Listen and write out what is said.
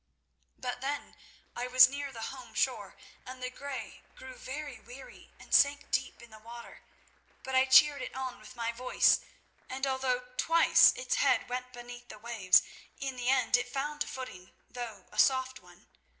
"By then I was near the home shore, and the grey grew very weary and sank deep in the water. But I cheered it on with my voice, and although twice its head went beneath the waves, in the end it found a footing, though a soft one.